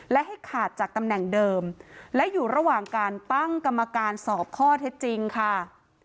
และให้ขาดจากตำแหน่งเดิมและอยู่ระหว่างการตั้งกรรมการสอบข้อเท็จจริงค่ะ